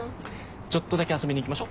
ちょっとだけ遊びに行きましょ？